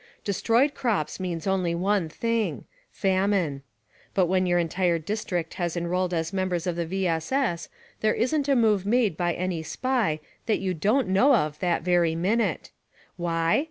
Destroyed crops means only one thing — famine. But when your entire district has enrdled as members of the V. S. S. there isn't a move made by any Spy that you don't know of that very minute. Why?